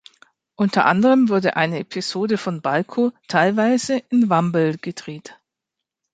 Unter anderem wurde eine Episode von "Balko" teilweise in Wambel gedreht.